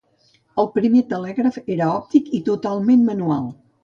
El primer telègraf era òptic i totalment manual.